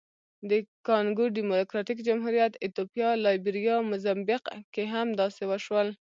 د کانګو ډیموکراتیک جمهوریت، ایتوپیا، لایبیریا، موزمبیق کې هم داسې وشول.